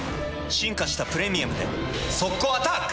進化した「プレミアム」で速攻アタック！